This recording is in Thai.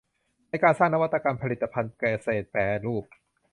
ในการสร้างนวัตกรรมผลิตภัณฑ์เกษตรแปรรูป